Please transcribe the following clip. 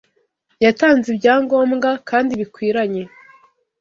Yatanze ibyangombwa kandi bikwiranye